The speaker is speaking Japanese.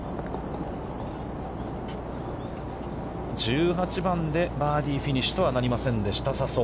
１８番でバーディーフィニッシュとはなりませんでした、笹生。